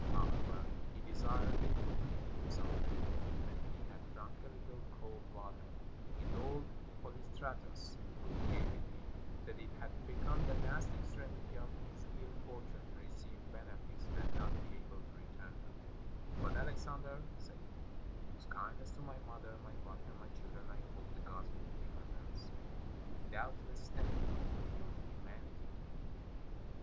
However, he desired they would give him some drink ; and when he had drunk a httle cold 376 THE LAST KING OF PERSIA water, he told Polystratus, who gave it him, that it had become the last extremity of his ill fortune to receive benefits and not be able to return them, "But Alex ander," said he, "whose kindness to my mother, my wife, and my children I hope the gods will recompense, will doubtless thank you for your humanity to me.